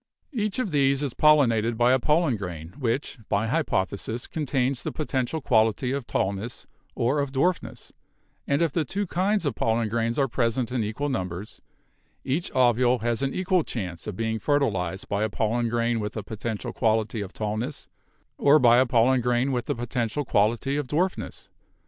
Each of these is pollinated by a pollen grain, which, by hypothe sis, contains the potential quality of tallness or of dwarf ness; and if the two kinds of pollen grains are present in equal numbers, each ovule has an equal chance of being fertilized by a pollen grain with a potential quality of tallness or by a pollen grain with a potential quality of dwarfness.